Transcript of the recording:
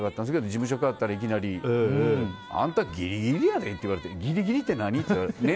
事務所変わったら、いきなり。あんたギリギリやでって言われてギリギリって何？って。